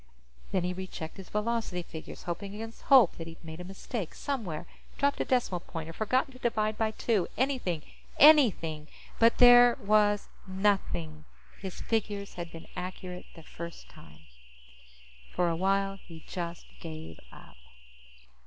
Then he rechecked his velocity figures, hoping against hope that he'd made a mistake somewhere, dropped a decimal point or forgotten to divide by two. Anything. Anything! But there was nothing. His figures had been accurate the first time. For a while, he just gave up.